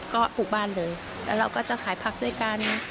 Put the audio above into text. ก็ปลูกบ้านเลยแล้วเราก็จะขายผักด้วยกัน